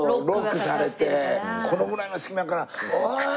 このぐらいの隙間から「おーい！